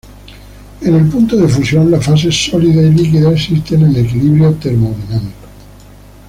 En el punto de fusión, la fase sólida y líquida existen en equilibrio termodinámico.